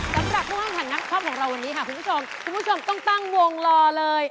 สำหรับผู้แข่งขันนักช็อปของเราวันนี้ค่ะคุณผู้ชมคุณผู้ชมต้องตั้งวงรอเลย